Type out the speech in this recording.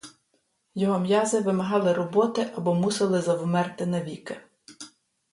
Його м'язи вимагали роботи або мусили завмерти навіки.